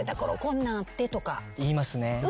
言いますね。